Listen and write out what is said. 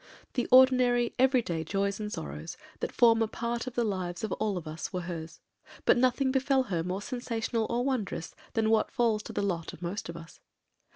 The ordinary, everyday joys and sorrows that form a part of the lives of all of us, were hers; but nothing befell her more sensational or wondrous than what falls to the lot of most of us.